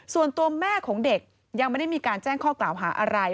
ส่วนตัวแม่ของเด็กยังไม่ได้มีการแจ้งข้อกล่าวหาอะไร